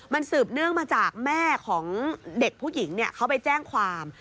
มันสืบเนื่องมาจากแม่ของเด็กผู้หญิงเขาไปแจ้งความ